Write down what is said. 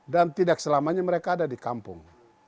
dan tidak selamanya mereka ada di kampung